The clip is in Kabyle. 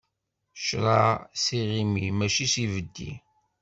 Ccṛeɛ s iɣimi, mačči s ibeddi.